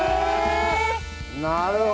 なるほど。